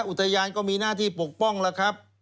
อุทยานก็มีหน้าที่ปกป้องแล้วครับ